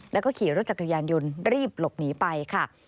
แล้วก็ขี่รถจักรยานยนต์รีบหลบหนีไปค่ะ